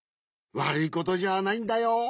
わるいことじゃないんだよ。